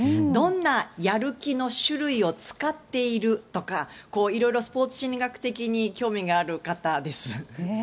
どんなやる気の種類を使っているとかこう色々、スポーツ心理学的に興味がある方です。